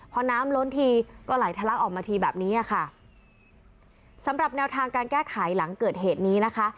พอน้ำล้นทีก็ไหลทะลักออกมาทีแบบนี้อ่ะค่ะสำหรับแนวทางการแก้ไขหลังเกิดเหตุนี้นะคะ